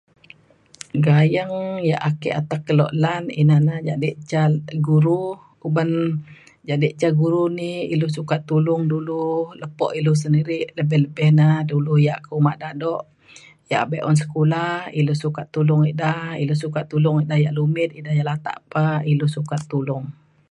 gayeng ya' atek ake keluk lan ina na jadi ca guru ku ban jadi ca guru ini ilu ukat tulung dulu lepo ilu sendiri lebih lebih na dulu ya' ka oma daduk ya' be'un sekula ilu sukat tulung eda ilu sukat tuling eda diak dumit eda diak latak pe ilu sukat tulung